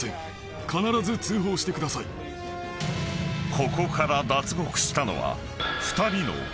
［ここから脱獄したのは］